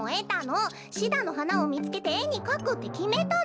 シダのはなをみつけてえにかくってきめたの！